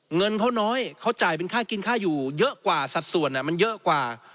เงินเขาน้อยเขาจ่ายเป็นค่ากินค่าอยู่เยอะกว่าสัดส่วนมันเยอะกว่า